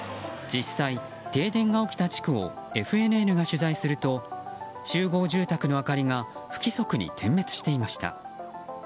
実際、停電した地区をＦＮＮが取材すると集合住宅の明かりが不規則に点滅していました。